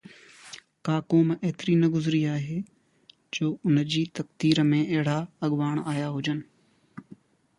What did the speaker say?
ڪا قوم ايتري نه گذري آهي جو ان جي تقدير ۾ اهڙا اڳواڻ آيا هجن.